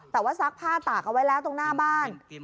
แต่ว่าซักผ้าตากเอาไว้แล้วตรงหน้าบ้าน